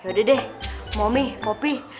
yaudah deh momi popi